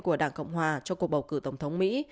của đảng cộng hòa cho cuộc bầu cử tổng thống mỹ